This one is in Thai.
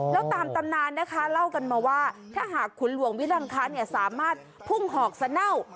แล้วตามตำนานนะคะเล่ากันมาว่าถ้าหากขุนหลวงวิรังคะสามารถพุ่งหอกสะเน่า